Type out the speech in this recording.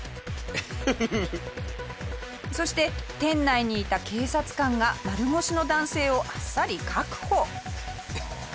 そして店内にいた警察官が丸腰の男性をあっさり確保。